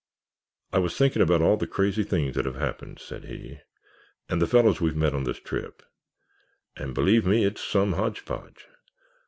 "I was thinking about all the crazy things that have happened," said he, "and the fellows we've met on this trip, and believe me, it's some hodge podge.